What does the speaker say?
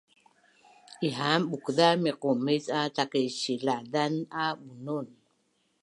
Ihaan bukzav miqumic a takisilazan a bunun